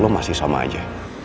lo masih sama aja